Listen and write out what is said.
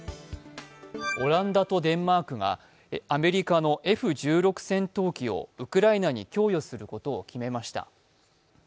オランダとデンマークがアメリカのＦ−１６戦闘機をウクライナに供与することを決めました。